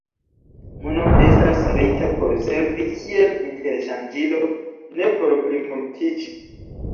Mono estas kreita por servi kiel interŝanĝilo, ne por plimultiĝi.